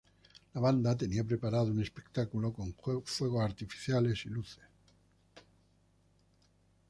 La banda tenía preparado un espectáculo con fuegos artificiales y luces.